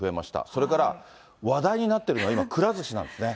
それから、話題になっているのは今、くら寿司なんですね。